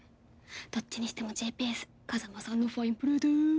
どっちにしてもＧＰＳ風真さんのファインプレーです。